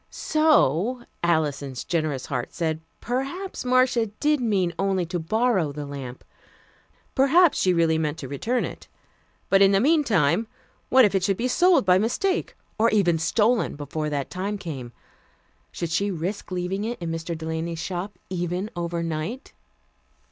So, Alison's generous heart said, perhaps Marcia did mean only to borrow the lamp. Perhaps she really meant to return it; but in the mean time, what if it should be sold by mistake, or even stolen before that time came? Should she risk leaving it in Mr. Delany's shop, even overnight?